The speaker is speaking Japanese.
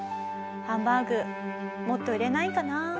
「ハンバーグもっと売れないかな」